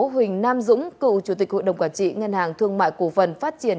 huỳnh nam dũng cựu chủ tịch hội đồng quản trị ngân hàng thương mại cổ phần phát triển